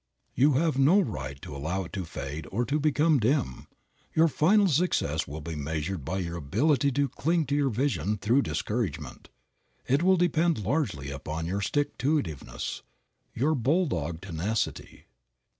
You have no right to allow it to fade or to become dim. Your final success will be measured by your ability to cling to your vision through discouragement. It will depend largely upon your stick to it ive ness, your bull dog tenacity.